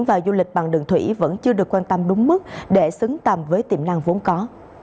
và du lịch bằng đường thủy vẫn chưa được quan tâm đúng mức để xứng tầm với tiềm năng vốn có